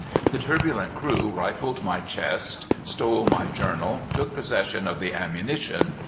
The turbulent crew rifled my chest, stole my journal, took possession of the ammunition.